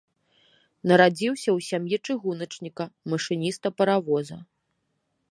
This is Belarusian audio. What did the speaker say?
Нарадзіўся ў сям'і чыгуначніка, машыніста паравоза.